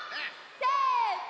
せの。